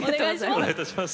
お願いいたします。